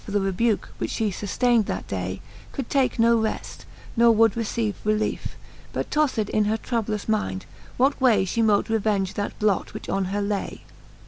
For the rebuke, which flie fuftain'd that day, Could take no reft, ne would receive reliefe, But tofled in her troublous minde^, what way She mote revenge that blot, which on her lay.